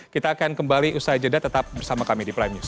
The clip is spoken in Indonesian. kita akan kembali usai jeda tetap bersama kami di prime news